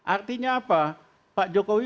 artinya apa pak jokowi